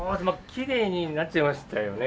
きれいになっちゃいましたよね。